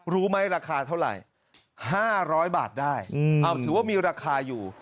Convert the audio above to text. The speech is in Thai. รู้ไหมราคาเท่าไรห้าร้อยบาทได้อืมเอาถือว่ามีราคาอยู่